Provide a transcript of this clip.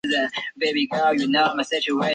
该方法利用的就是这个原理。